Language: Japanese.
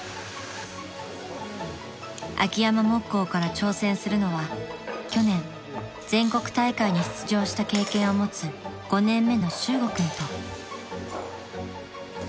［秋山木工から挑戦するのは去年全国大会に出場した経験を持つ５年目の修悟君と］